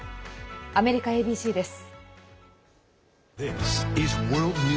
アメリカＡＢＣです。